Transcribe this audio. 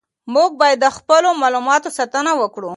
موږ باید د خپلو معلوماتو ساتنه وکړو.